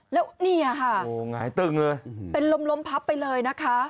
แล้วนี่ค่ะเป็นลมพับไปเลยนะคะ